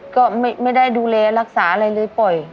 ก็ไม่ได้ดูแลรักษาอะไรเลยปล่อย